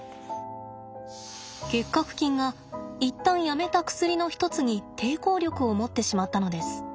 結核菌が一旦やめた薬の一つに抵抗力を持ってしまったのです。